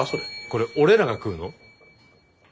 これ俺らが食うの？